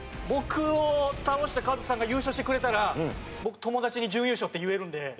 僕を倒したカズさんが優勝してくれたら僕友達に準優勝って言えるんで。